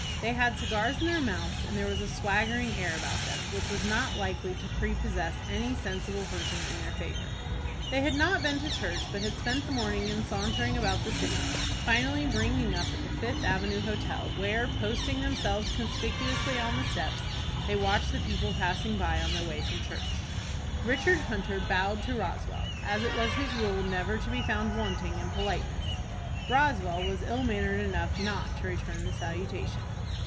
They had cigars in their mouths, and there was a swaggering air about them, which was not likely to prepossess any sensible person in their favor. They had not been to church, but had spent the morning in sauntering about the city, finally bringing up at the Fifth Avenue Hotel, where, posting themselves conspicuously on the steps, they watched the people passing by on their way from church. Richard Hunter bowed to Roswell, as it was his rule never to be found wanting in politeness. Roswell was ill mannered enough not to return the salutation.